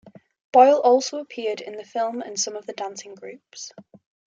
Boyle also appeared in the film in some of the dancing groups.